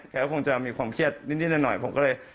คงจะมีความเครียดนิดหน่อยผมก็เลย